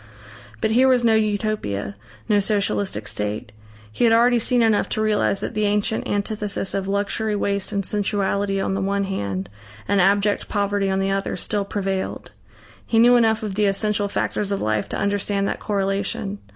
But here was no Utopia, no Socialistic state. He had already seen enough to realise that the ancient antithesis of luxury, waste and sensuality on the one hand and abject poverty on the other, still prevailed. He knew enough of the essential factors of life to understand that correlation.